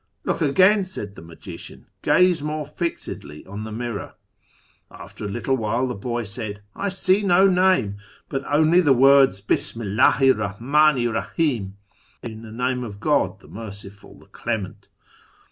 ' Look again,' said the magician ;' gaze more fixedly on the mirror.' After I little while the boy said, ' I see no name, but only the words Bismi 'llcihi 'r Bahmdni'r Bahini ' (In the name of God, Idle Merciful, the Clement).